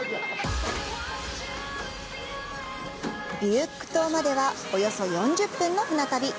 ビュユック島まではおよそ４０分の船旅。